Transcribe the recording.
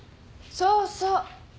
そうそう。